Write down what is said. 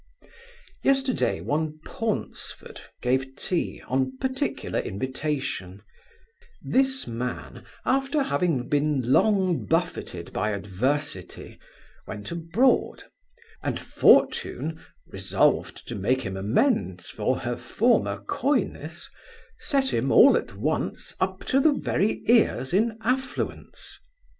Yesterday, one Paunceford gave tea, on particular invitation This man, after having been long buffetted by adversity, went abroad; and Fortune, resolved to make him amends for her former coyness, set him all at once up to the very ears in affluence.